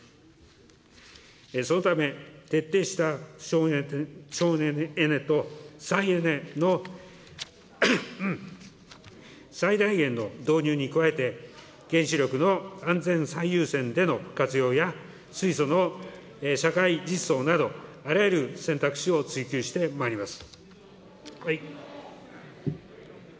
そのため、徹底した省エネと再エネの最大限の導入に加えて、原子力の安全最優先での活用や水素の社会実装など、あらゆる選択肢を追求してまいります。